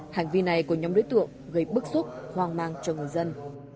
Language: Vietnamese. hành vi này của nhóm đối tượng gây bức xúc hoang mang cho người dân